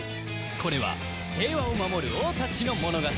これは平和を守る王たちの物語